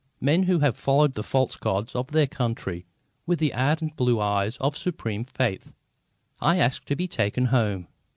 Men who have followed the false gods of their country with the ardent blue eyes of supreme faith. I asked to be taken home.